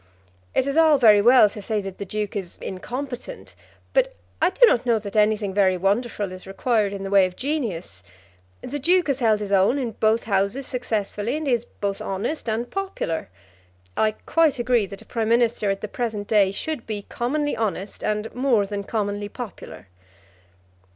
"It is all very well to say that the Duke is incompetent, but I do not know that anything very wonderful is required in the way of genius. The Duke has held his own in both Houses successfully, and he is both honest and popular. I quite agree that a Prime Minister at the present day should be commonly honest, and more than commonly popular."